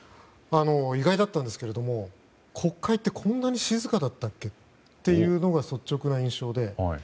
意外だったんですが国会ってこんなに静かだったっけっていうのが率直な印象で。